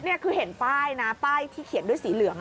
นี่คือเห็นป้ายนะป้ายที่เขียนด้วยสีเหลือง